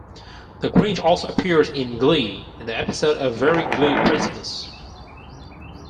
The Grinch also appears in "Glee" in the episode "A Very Glee Christmas".